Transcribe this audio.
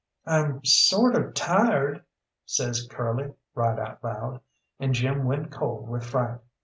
"I'm sort of tired," says Curly right out loud, and Jim went cold with fright.